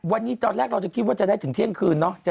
วันนี้ตอนแรกเราจะคิดว่าจะได้ถึงเที่ยงคืนเนอะ